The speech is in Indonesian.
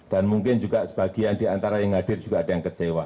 dan mungkin juga sebagian di antara yang hadir juga ada yang kecewa